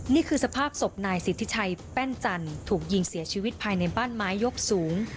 นี่คือสภาพศพนายสิทธิชัยแป้นจันทร์ถูกยิงเสียชีวิตภายในบ้านไม้ยกสูง